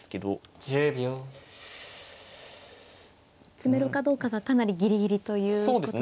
詰めろかどうかがかなりギリギリということですか。